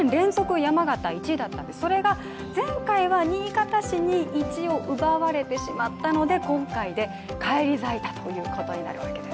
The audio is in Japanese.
山形は１位だったんですがそれが前回は新潟市に１位を奪われてしまったので今回で返り咲いたということになるわけです。